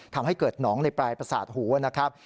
ทำให้เกิดหนองในปลายประสาทหูนะครับ